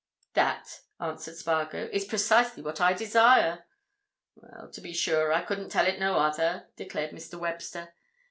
"That," answered Spargo, "is precisely what I desire." "Well, to be sure, I couldn't tell it in no other," declared Mr. Webster.